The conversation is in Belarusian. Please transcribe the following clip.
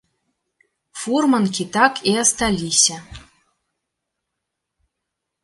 Фурманкі так і асталіся.